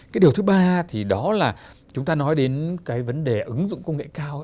cái điều thứ ba thì đó là chúng ta nói đến cái vấn đề ứng dụng công nghệ cao